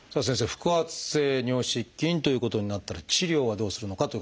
腹圧性尿失禁ということになったら治療はどうするのかということですが。